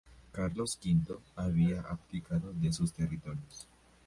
Carlos V había abdicado de sus territorios.